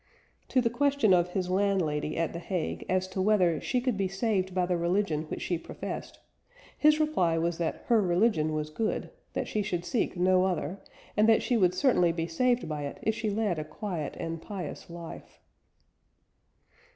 To the question of his landlady at the Hague as to whether she could be saved by the religion which she professed, his reply was that her religion was good, that she should seek no other, and that she would certainly be saved by it if she led a quiet and pious life.